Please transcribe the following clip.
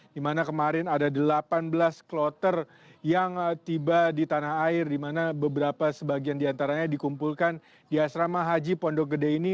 di mana kemarin ada delapan belas kloter yang tiba di tanah air di mana beberapa sebagian diantaranya dikumpulkan di asrama haji pondok gede ini